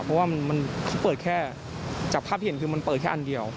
เพราะว่าเขาเปิดแค่จากภาพที่เห็นคือมันเปิดแค่อันเดียว